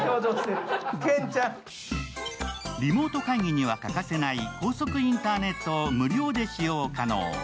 リモート会議には欠かせない高速インターネットを無料で使用可能。